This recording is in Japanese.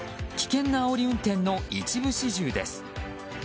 危険なあおり運転の一部始終です。